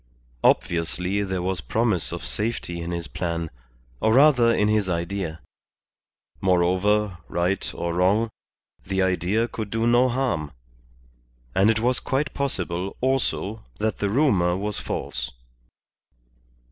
Obviously there was promise of safety in his plan, or rather in his idea. Moreover, right or wrong, the idea could do no harm. And it was quite possible, also, that the rumour was false.